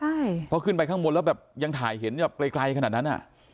ใช่เพราะขึ้นไปข้างบนแล้วแบบยังถ่ายเห็นแบบไกลขนาดนั้นอ่ะ